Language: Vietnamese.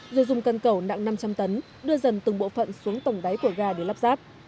rồi dùng cân cầu nặng năm trăm linh tấn đưa dần từng bộ phận xuống tổng đáy của ga để lắp ráp